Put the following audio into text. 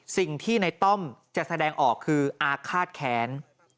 สิ่งที่ในต้อมจะแสดงออกคืออาฆาตแค้น